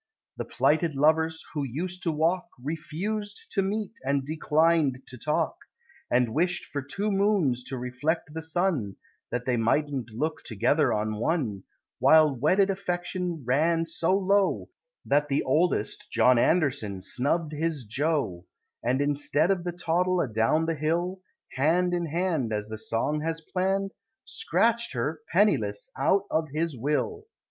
The plighted lovers, who used to walk, Refused to meet, and declined to talk; And wish'd for two moons to reflect the sun, That they mightn't look together on one; While wedded affection ran so low, That the oldest John Anderson snubbed his Jo And instead of the toddle adown the hill, Hand in hand, As the song has planned, Scratch'd her, penniless, out of his will!